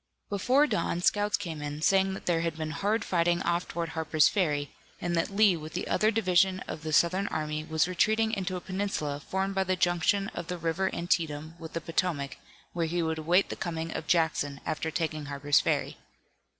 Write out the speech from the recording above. Before dawn, scouts came in, saying that there had been hard fighting off toward Harper's Ferry, and that Lee with the other division of the Southern army was retreating into a peninsula formed by the junction of the river Antietam with the Potomac, where he would await the coming of Jackson, after taking Harper's Ferry.